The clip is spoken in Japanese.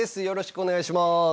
よろしくお願いします。